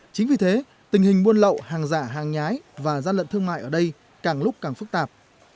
chính vì thế tình hình buôn lậu hàng giả hàng nhái và gian lận thương mại ở đây càng lúc càng phức tạp